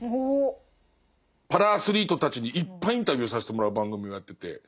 パラアスリートたちにいっぱいインタビューさせてもらう番組をやってて。